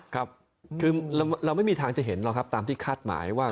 คือเราไม่มีทางจะเห็นเราตามที่คาดหมายว่า